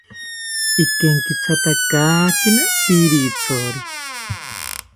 Ikenkithatakakina pirithori